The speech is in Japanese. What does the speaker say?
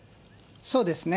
そうですね。